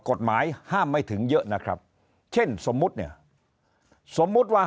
กฎหมายห้ามไม่ถึงเยอะนะครับเช่นสมมุติเนี่ยสมมุติว่า